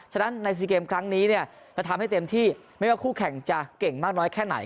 ฉะนั้นในซีเกมครั้งนี้เนี่ยจะทำให้เต็มที่ไม่ว่าคู่แข่งจะเก่งมากน้อยแค่ไหน